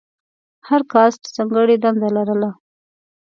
هر کاسټ ځانګړې دنده لرله.